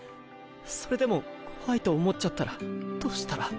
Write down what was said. それでも怖いと思っちゃったらどうしたら。